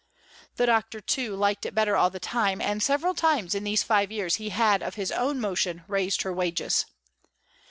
The Doctor, too, liked it better all the time and several times in these five years he had of his own motion raised her wages.